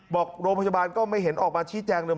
บอกโรงพยาบาลก็ไม่เห็นออกมาชี้แจงเลย